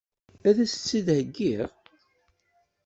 Ad as-tt-id-heggiɣ?